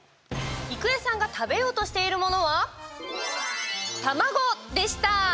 郁恵さんが食べようとしているものは「卵」でした。